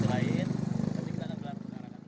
kita ingin mengangkat penyara perang